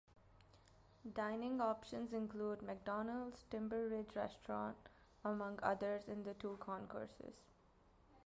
Dining options include McDonald's, Timber Ridge Restaurant, among others in the two concourses.